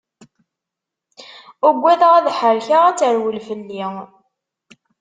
Uggadeɣ ad ḥerkeɣ ad terwel fell-i.